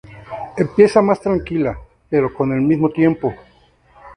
Empieza más tranquila, pero con el mismo tiempo.